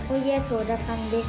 小田さんです。